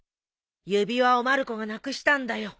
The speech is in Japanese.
指輪をまる子がなくしたんだよ。